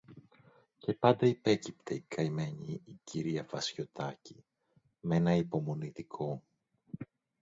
Και πάντα υπέκυπτε η καημένη η κυρία Βασιωτάκη, μ' ένα υπομονητικό: